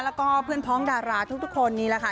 แล้วก็เพื่อนพ้องดาราทุกคนนี่แหละค่ะ